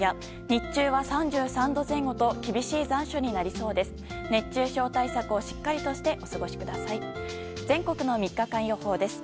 日中は３３度前後と厳しい残暑になりそうです。